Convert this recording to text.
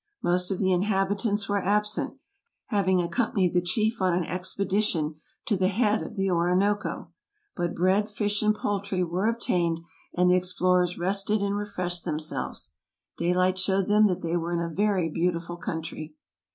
Most of the inhabitants were absent, having accompanied the chief on an expedition to the head of the Orinoco ; but bread, fish, and poultry were obtained, and the explorers rested and refreshed themselves. Daylight showed them that they were in a very beautiful country.